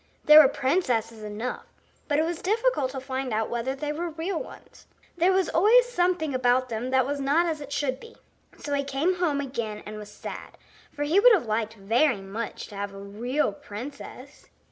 There were princesses enough, but it was difficult to find out whether they were real ones. There was always something about them that was not as it should be. So he came home again and was sad, for he would have liked very much to have a real princess.